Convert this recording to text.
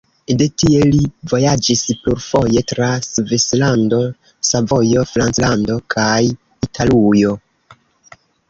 De tie li vojaĝis plurfoje tra Svislando, Savojo, Franclando kaj Italujo.